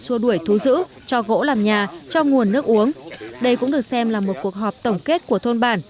xua đuổi thú giữ cho gỗ làm nhà cho nguồn nước uống đây cũng được xem là một cuộc họp tổng kết của thôn bản